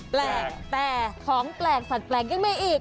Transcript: แปลกแต่ของแปลกสัตว์แปลกยังมีอีก